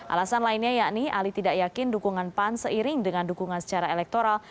alasan lainnya yakni ali tidak yakin dukungan pan seiring dengan dukungan secara elektoral